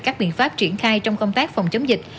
các biện pháp triển khai trong công tác phòng chống dịch